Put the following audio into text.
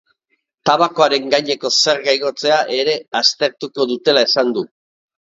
Tabakoaren gaineko zerga igotzea ere aztertuko dutela esan du.